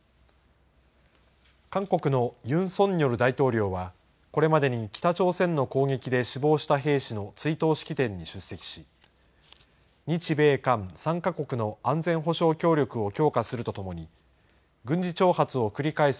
韓国のユン・ソンニョル大統領は、これまでに北朝鮮の攻撃で死亡した兵士の追悼式典に出席し、日米韓３か国の安全保障協力を強化するとともに、軍事挑発を繰り返す